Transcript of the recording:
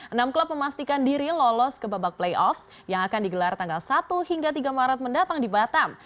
enam klub memastikan diri lolos ke babak playoff yang akan digelar tanggal satu hingga tiga maret mendatang di batam